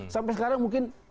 sampai sekarang mungkin